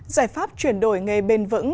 giải pháp chuyển đổi nghề bền vững